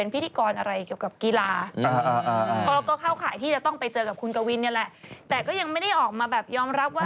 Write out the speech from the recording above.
ไปรู้จักกันอย่างไรอืม